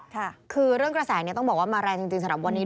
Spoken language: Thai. ค่ะคือเรื่องกระแสเนี่ยต้องบอกว่ามาแรงจริงสำหรับวันนี้